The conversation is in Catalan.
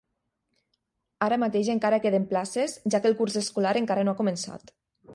Ara mateix encara queden places, ja que el curs escolar encara no ha començat.